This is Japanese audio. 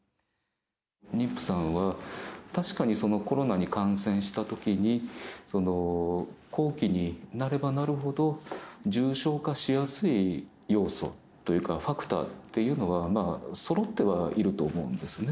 妊婦さんは確かにコロナに感染したときに、後期になればなるほど、重症化しやすい要素というか、ファクターっていうのは、そろってはいると思うんですね。